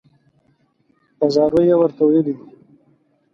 په زاریو یې ورته ویلي دي.